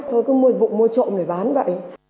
thôi cứ mua vụn mua trộm để bán vậy